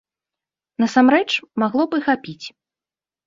Насамрэч, магло б і хапіць.